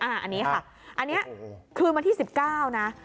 อันนี้ค่ะอันนี้คืนวันที่๑๙นะ